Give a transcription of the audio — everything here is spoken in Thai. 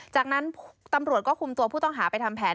จากนั้นตำรวจก็คุมตัวผู้ต้องหาไปทำแผน